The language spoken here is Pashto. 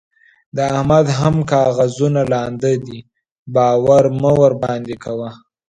د احمد هم کاغذونه لانده دي؛ باور مه ورباندې کوه.